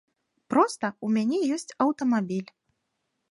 Проста, у мяне ёсць аўтамабіль.